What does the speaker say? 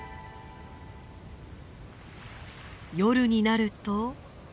夜になると。